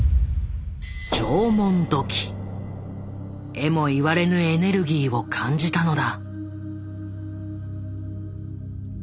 えも言われぬエネルギーを感じたのだ。